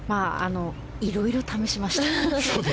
いろいろ、試しました。